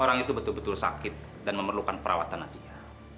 orang itu betul betul sakit dan memerlukan perawatan nantinya